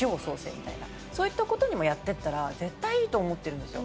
そういった事にもやっていったら絶対いいと思ってるんですよ。